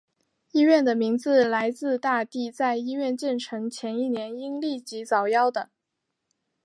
医院的名字来自大帝在医院建成前一年因痢疾早夭的。